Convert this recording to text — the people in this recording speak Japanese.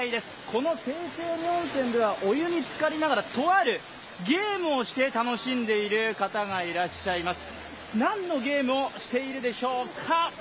このセーチェーニ温泉ではお湯につかりながら、とあるゲームをして楽しんでいる方がいらっしゃいます。